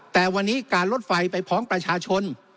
แต่วันนี้การลดไฟไปฟ้องประชาชน